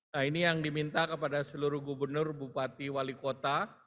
nah ini yang diminta kepada seluruh gubernur bupati wali kota